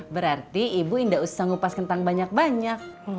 berarti ibu tidak usah mengupas kentang banyak banyak